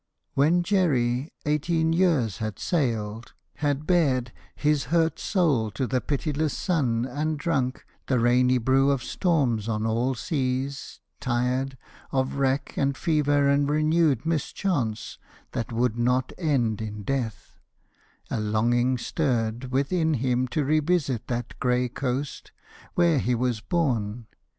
When Jerry eighteen years had sailed, had bared His hurt soul to the pitiless sun and drunk The rainy brew of storms on all seas, tired Of wreck and fever and renewed mischance That would not end in death, a longing stirred Within him to revisit that gray coast Where he was born.